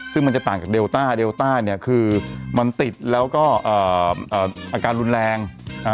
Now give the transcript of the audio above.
ซึ่งมันจะต่างจากเดลต้าเดลต้าเนี่ยคือมันติดแล้วก็อาการรุนแรงอ่า